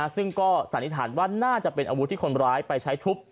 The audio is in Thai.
ซึ่งก็สันนิษฐานว่าน่าจะเป็นอาวุธที่คนร้ายไปใช้ทุบ